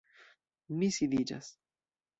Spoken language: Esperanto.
Mi sidiĝas.